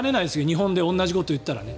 日本で同じことを言ったらね。